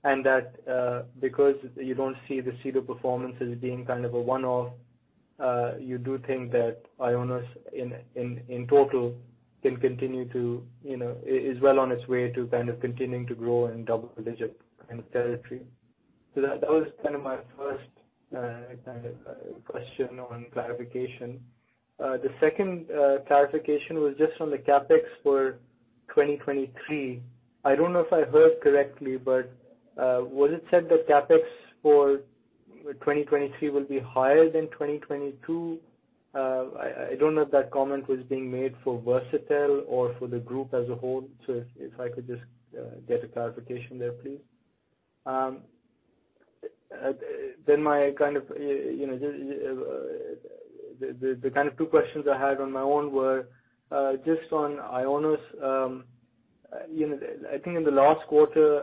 That because you don't see the Sedo performance as being kind of a one-off, you do think that IONOS in total can continue to, you know, is well on its way to kind of continuing to grow in double digit kind of territory. That was kind of my first kind of question on clarification. The second clarification was just on the CapEx for 2023. I don't know if I heard correctly, but was it said that CapEx for 2023 will be higher than 2022? I don't know if that comment was being made for Versatel or for the group as a whole. If I could just get a clarification there, please. My kind of, you know, the kind of two questions I had on my own were just on IONOS. You know, I think in the last quarter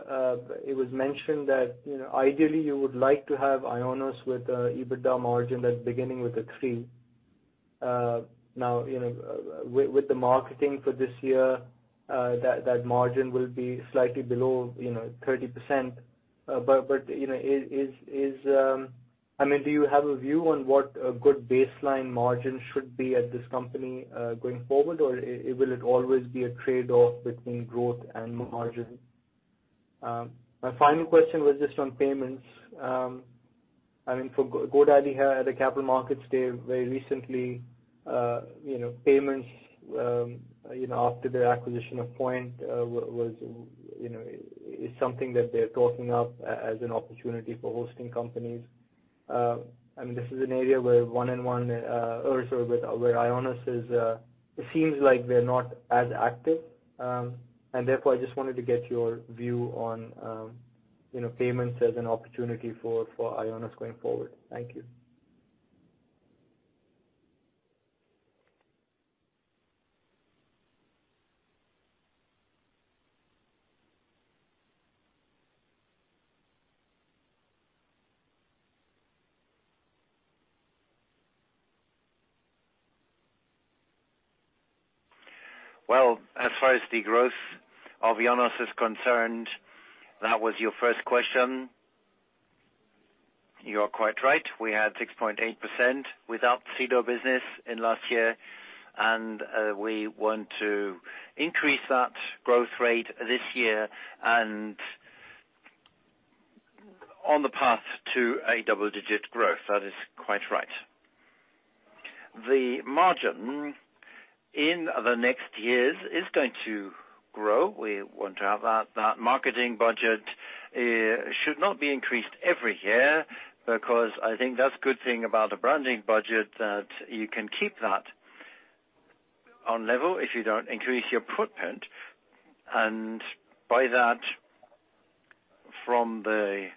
it was mentioned that, you know, ideally you would like to have IONOS with a EBITDA margin that's beginning with a three. Now, you know, with the marketing for this year that margin will be slightly below, you know, 30%. You know, I mean, do you have a view on what a good baseline margin should be at this company, going forward? Or will it always be a trade-off between growth and margin? My final question was just on payments. I mean, for GoDaddy had a capital markets day very recently. You know, payments, you know, after the acquisition of Poynt, you know, is something that they're talking up as an opportunity for hosting companies. I mean, this is an area where 1&1, also with our IONOS, it seems like they're not as active. Therefore, I just wanted to get your view on, you know, payments as an opportunity for IONOS going forward. Thank you. Well, as far as the growth of IONOS is concerned, that was your first question. You are quite right. We had 6.8% without Sedo business in last year, and we want to increase that growth rate this year and on the path to a double-digit growth. That is quite right. The margin in the next years is going to grow. We want to have that. That marketing budget should not be increased every year because I think that's a good thing about the branding budget, that you can keep that on level if you don't increase your footprint. By that, from the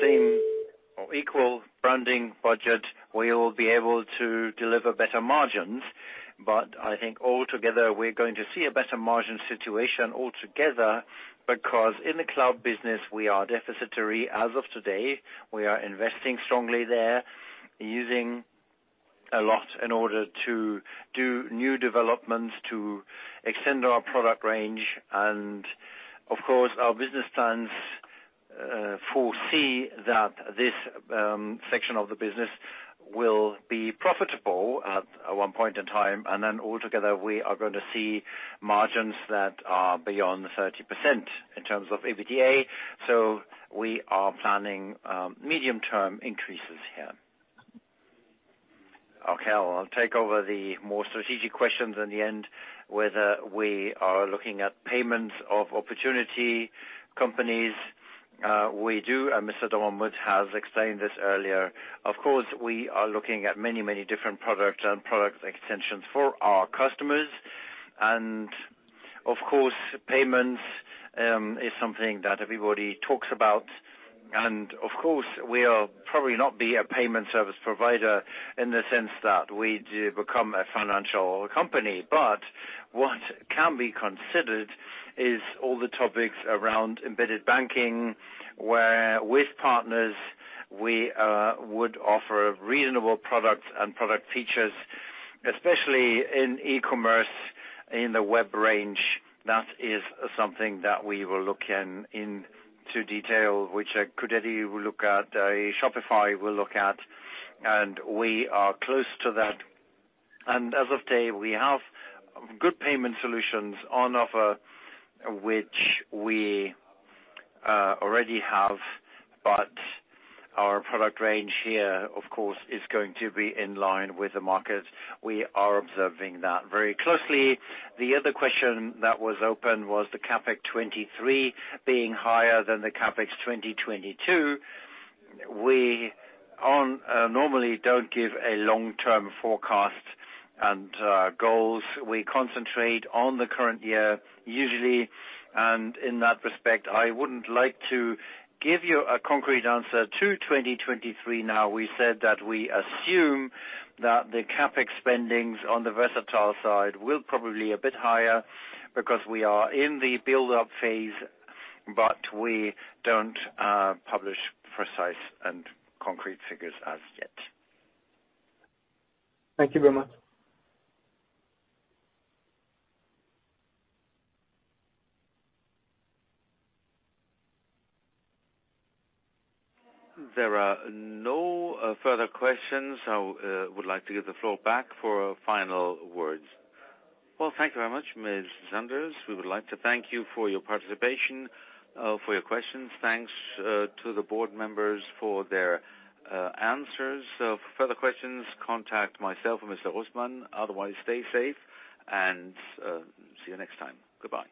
same or equal branding budget, we will be able to deliver better margins. But I think altogether, we're going to see a better margin situation altogether, because in the cloud business, we are deficitary as of today. We are investing strongly there, using a lot in order to do new developments to extend our product range. Of course, our business plans foresee that this section of the business will be profitable at one point in time. Altogether, we are gonna see margins that are beyond 30% in terms of EBITDA. We are planning medium-term increases here. Okay, I'll take over the more strategic questions in the end, whether we are looking at payments or opportunity companies. We do, and Mr. Dommermuth has explained this earlier. Of course, we are looking at many, many different products and product extensions for our customers. Of course, payments is something that everybody talks about. Of course, we are probably not be a payment service provider in the sense that we do become a financial company. What can be considered is all the topics around embedded banking, where with partners, we would offer reasonable products and product features, especially in e-commerce, in the web range. That is something that we will look into detail, which I could already look at, Shopify will look at, and we are close to that. As of today, we have good payment solutions on offer, which we already have. Our product range here, of course, is going to be in line with the market. We are observing that very closely. The other question that was open was the CapEx 2023 being higher than the CapEx 2022. We normally don't give a long-term forecast and goals. We concentrate on the current year, usually. In that respect, I wouldn't like to give you a concrete answer to 2023 now. We said that we assume that the CapEx spending on the Versatel side will probably be a bit higher because we are in the build-up phase, but we don't publish precise and concrete figures as yet. Thank you very much. There are no further questions. I would like to give the floor back for final words. Well, thank you very much, Ms. Sanders. We would like to thank you for your participation for your questions. Thanks to the board members for their answers. For further questions, contact myself or Mr. Usman. Otherwise, stay safe and see you next time. Goodbye.